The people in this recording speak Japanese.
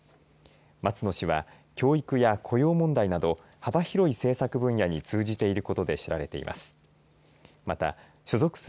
松野氏は教育や雇用問題など幅広い政策分野に通じていることで知られています。